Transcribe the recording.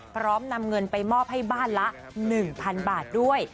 พร้อมนำเงินไปมอบให้บ้านละ๑๐๐๐บาทด้วย